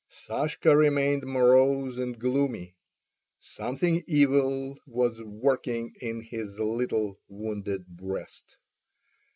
Sashka remained morose and gloomy—something evil was working in his little wounded breast.